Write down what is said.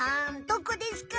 どこですか？